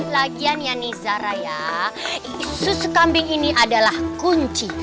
lagian ya nizara ya susu kambing ini adalah kunci